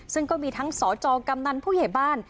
ซึ่งก็มีทั้งสจกำนันผู้ใหญ่บ้าน